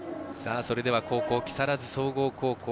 それでは、後攻木更津総合高校。